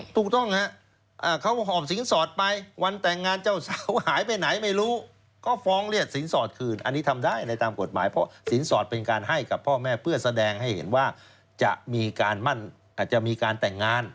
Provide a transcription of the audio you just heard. ถูกต้องฮะเขาก็หอบสินสอดไปวันแต่งงานเจ้าสาวหายไปไหนไม่รู้ก็ฟ้องเรียกสินสอดคืนอันนี้ทำได้ในตามกฎหมายเพราะสินสอดเป็นการให้กับพ่อแม่เพื่อแสดงให้เห็นว่าจะมีการมั่นอาจจะมีการแต่งงาน